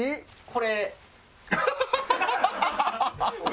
これ。